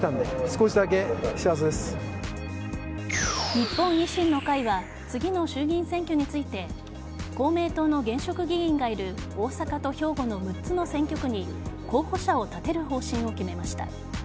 日本維新の会は次の衆議院選挙について公明党の現職議員がいる大阪と兵庫の６つの選挙区に候補者を立てる方針を決めました。